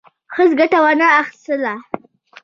هیڅ ګټه وانه خیستله.